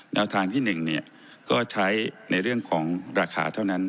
แนวทางที่๑ก็ใช้ในเรื่องของราคาเท่านั้น